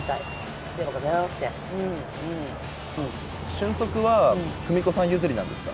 俊足は久美子さん譲りなんですか？